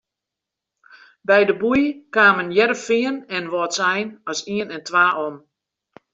By de boei kamen Hearrenfean en Wâldsein as ien en twa om.